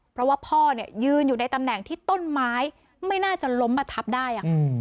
เพราะว่าพ่อเนี่ยยืนอยู่ในตำแหน่งที่ต้นไม้ไม่น่าจะล้มมาทับได้